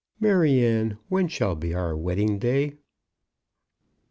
Maryanne, when shall be our wedding day?"